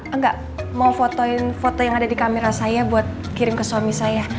enggak mau fotoin foto yang ada di kamera saya buat kirim ke suami saya